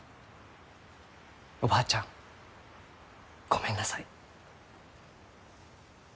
おばあちゃん、ごめんなさい。